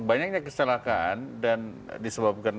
banyaknya kesalahan dan disebabkan